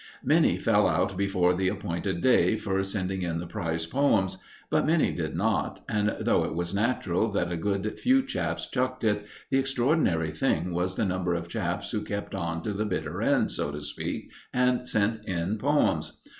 Many fell out before the appointed day for sending in the prize poems; but many did not, and though it was natural that a good few chaps chucked it, the extraordinary thing was the number of chaps who kept on to the bitter end, so to speak, and sent in poems.